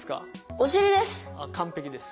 お尻です！